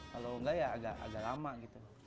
kalau enggak ya agak lama gitu